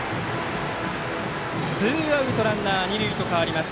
ツーアウト、ランナー、二塁と変わります。